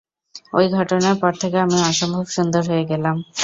ঐ ঘটনার পর থেকে আমি অসম্ভব সুন্দর হয়ে গেলাম।